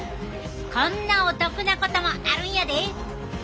こんなお得なこともあるんやで！